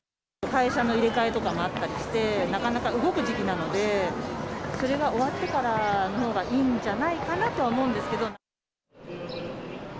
会社の入れ替えとかもあったりして、なかなか動く時期なので、それが終わってからのほうがいいんじゃないかなとは思うんですけ